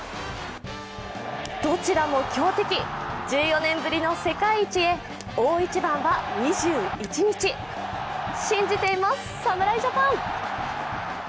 どちらも強敵、１４年ぶりの世界一へ大一番は２１日、信じています侍ジャパン。